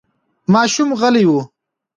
ماشوم غلی و.